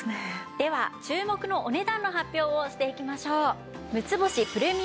では注目のお値段の発表をしていきましょう。